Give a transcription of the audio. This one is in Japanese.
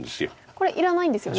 これいらないんですよね。